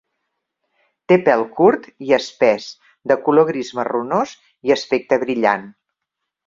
Té pèl curt i espès, de color gris-marronós i aspecte brillant.